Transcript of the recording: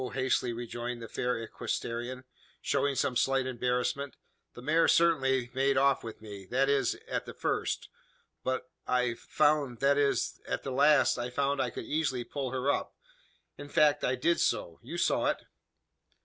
hastily rejoined the fair equestrian, showing some slight embarrassment. "The mare certainly made off with me that is, at the first but I I found, that is at the last I found I could easily pull her up. In fact I did so: you saw it?"